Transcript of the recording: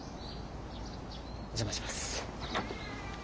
お邪魔します。